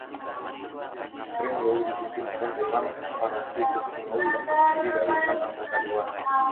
Brinklow dipimpin oleh Dewan Paroki Brinklow, yang terdiri dari enam anggota dewan.